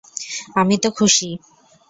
আমি তো খুশি।